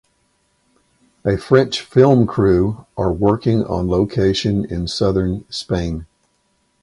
A French film crew are working on location in southern Spain.